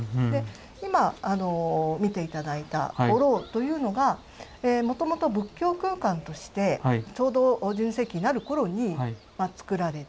今見て頂いた御廊というのがもともと仏教空間としてちょうど１２世紀になる頃につくられた。